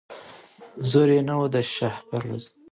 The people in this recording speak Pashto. زور یې نه وو د شهپر د وزرونو